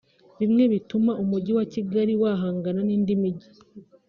Bimwe mu bituma umujyi wa Kigali wahangana n’indi mijyi